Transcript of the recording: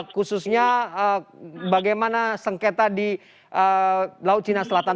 khususnya bagaimana sengketa di laut cina selatan